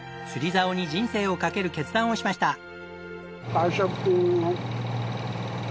釣りざおに人生をかける決断をしました。